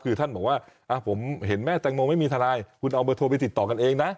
คือท่านบอกว่าผมเห็นแม่แตงโมไม่มีทนายคุณเอาเบอร์โทรไปติดต่อกันเองนะ